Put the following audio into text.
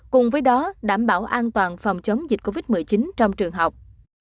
cùng với đó đảm bảo an toàn phòng chống dịch covid một mươi chín trong trường học